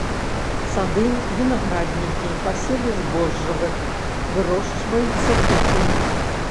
Сады, вінаграднікі, пасевы збожжавых, вырошчваецца тытунь.